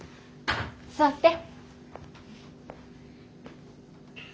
座って。